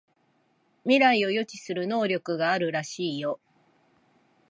未来を予知する能力があるらしいよ